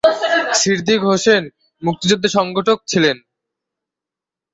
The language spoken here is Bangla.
সিদ্দিক হোসেন মুক্তিযুদ্ধের সংগঠক ছিলেন।